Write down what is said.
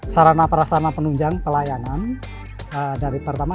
sarana perasana penunjang pelayanan